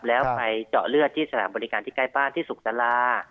แล้วไปเจาะเลือดที่สถานบริการที่ใกล้บ้านที่สุขศาลา